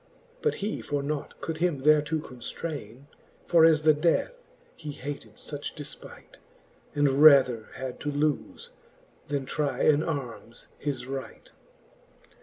But he for nought could him thereto conftraine. For as the death he hated fuch defpight, And rather had to lofe, then trie in armes his right.